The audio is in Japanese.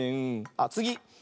あっつぎ。